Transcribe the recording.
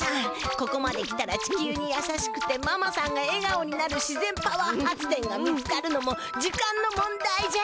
ここまできたら地球にやさしくてママさんが笑顔になる自ぜんパワー発電が見つかるのも時間の問題じゃ。